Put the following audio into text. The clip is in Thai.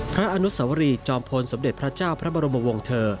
อนุสวรีจอมพลสมเด็จพระเจ้าพระบรมวงเถอร์